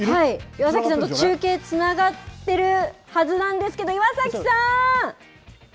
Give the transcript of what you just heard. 岩崎さんと中継つながってるはずなんですけど、岩崎さん。